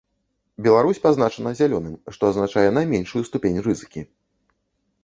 Беларусь пазначана зялёным, што азначае найменшую ступень рызыкі.